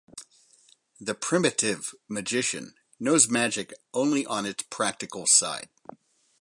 The primitive magician knows magic only on its practical side.